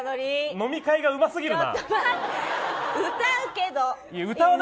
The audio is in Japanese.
飲み会うますぎるな。